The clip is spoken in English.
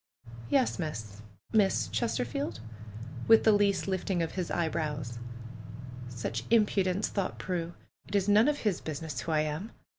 "Yes, Miss — Miss Chesterfield?" with the least lift ing of his eyebrows. " Such impudence I" thought Prue. "It is none of his business who I am !"